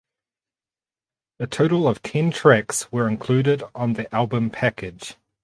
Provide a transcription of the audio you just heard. A total of ten tracks were included on the album package.